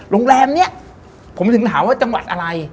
โรงแรมนี้ผมถึงถามว่าจังหวัดอะไร